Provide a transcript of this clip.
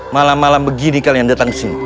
malam malam begini kalian datang ke sini